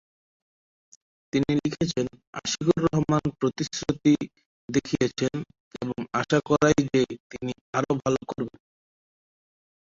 তিনি লিখেছিলেন, "আশিকুর রহমান প্রতিশ্রুতি দেখিয়েছেন, এবং আশা করাই যে তিনি আরও ভালো করবেন।"